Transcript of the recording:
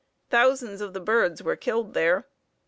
Thousands of the birds were killed there.